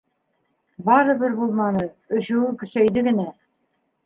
Барыбер булманы, өшөүе көсәйҙе генә.